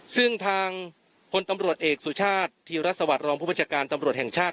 ซึ่งทางผลตำรวจเอกสุชาติที่รัฐสวรรค์รองค์ผู้พจการตำรวจแห่งชาติ